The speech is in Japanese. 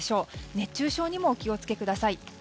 熱中症にもお気を付けください。